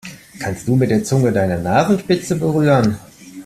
Kannst du mit der Zunge deine Nasenspitze berühren?